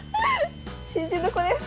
新人の子です。